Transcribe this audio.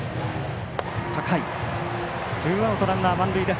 ツーアウト、ランナー満塁。